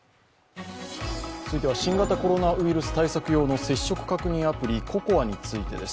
続いては新型コロナウイルス対策用の接触アプリＣＯＣＯＡについてです。